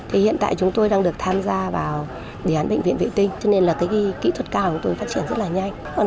hiện tại chúng tôi đang được tham gia vào đề án bệnh viện vệ tinh cho nên kỹ thuật cao của chúng tôi phát triển rất nhanh